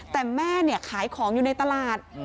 แต่แม่ขายของอยู่ในตลาด